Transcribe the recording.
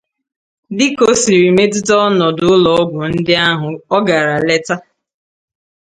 dịka o siri metụta ọnọdụ ụlọọgwụ ndị ahụ ọ gara leta